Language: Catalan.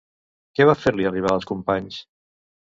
Què va fer-li arribar a Companys?